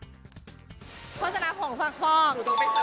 โฆษณาของสักครอง